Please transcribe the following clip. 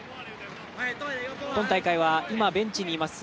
今大会は今ベンチにいます